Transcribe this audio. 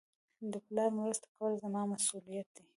د پلار مرسته کول زما مسئولیت دئ.